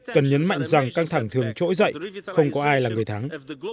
cần nhấn mạnh rằng căng thẳng thường trỗi dậy không có ai là người thắng